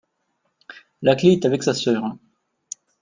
la clé est avec sa sœur.